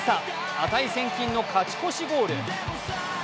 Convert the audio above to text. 値千金の勝ち越しゴール。